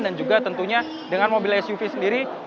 dan juga tentunya dengan mobil suv sendiri